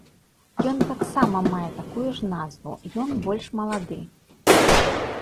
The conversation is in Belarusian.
Ён таксама мае такую ж назву, ён больш малады.